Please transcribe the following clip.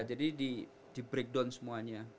jadi di breakdown semuanya